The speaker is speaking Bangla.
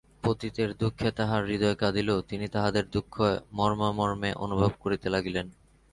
পতিতের দুঃখে তাঁহার হৃদয় কাঁদিল, তিনি তাহাদের দুঃখ মর্মে মর্মে অনুভব করিতে লাগিলেন।